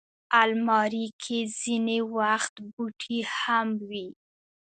الماري کې ځینې وخت بوټي هم وي